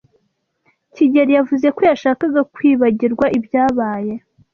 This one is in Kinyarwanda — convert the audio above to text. kigeli yavuze ko yashakaga kwibagirwa ibyabaye.